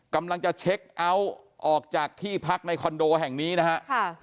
กำลังจะเช็คเอาท์ออกจากที่พักในคอนโดแห่งนี้นะฮะ